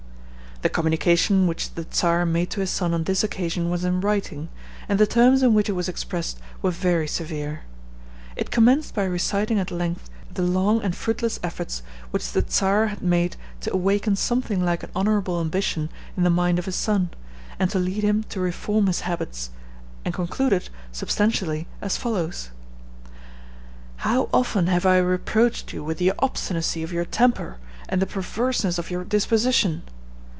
The communication which the Czar made to his son on this occasion was in writing, and the terms in which it was expressed were very severe. It commenced by reciting at length the long and fruitless efforts which the Czar had made to awaken something like an honorable ambition in the mind of his son, and to lead him to reform his habits, and concluded, substantially, as follows: "How often have I reproached you with the obstinacy of your temper and the perverseness of your disposition!